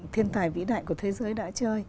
thiên tài vĩ đại của thế giới đã chơi